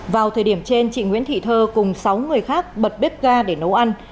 vào thời điểm trên chị nguyễn thị thơ cùng sáu người khác bật bếp ga để nấu ăn